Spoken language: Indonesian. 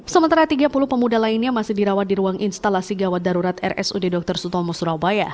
sementara tiga puluh pemuda lainnya masih dirawat di ruang instalasi gawat darurat rsud dr sutomo surabaya